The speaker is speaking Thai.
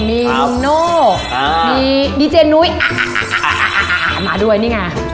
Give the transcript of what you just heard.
มีลุงโน่มีดีเจนุ้ยมาด้วยนี่ไง